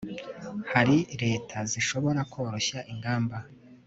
Hari leta zishobora koroshya ingamba